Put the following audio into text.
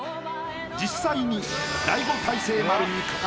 実際に。